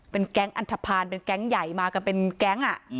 แก๊งอันทภาณเป็นแก๊งใหญ่มากันเป็นแก๊ง